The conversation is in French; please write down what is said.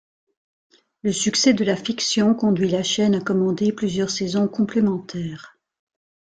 Le succès de la fiction conduit la chaîne à commander plusieurs saisons complémentaires.